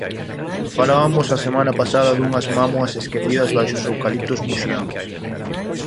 Falabamos a semana pasada dunhas mámoas esquecidas baixo os eucaliptos muxiáns.